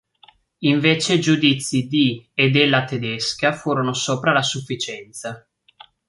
Invece i giudizi di e della tedesca furono sopra la sufficienza.